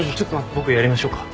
僕やりましょうか？